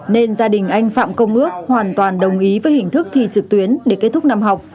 nên gia đình anh phạm công ước hoàn toàn đồng ý với hình thức thi trực tuyến để kết thúc năm học